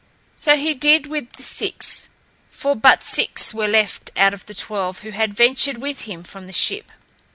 So he did with the six, for but six were left out of the twelve who had ventured with him from the ship.